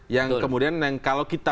yang kemudian kalau kita